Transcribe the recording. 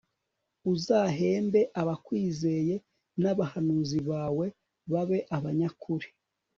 uzahembe abakwizeye n'abahanuzi bawe babe abanyakuri